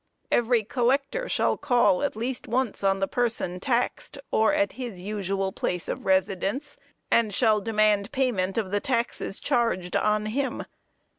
"Every collector shall call at least once on the person taxed, or at his usual place of residence, and shall demand payment of the taxes charged on him.